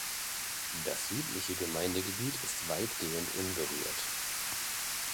Das südliche Gemeindegebiet ist weitgehend unberührt.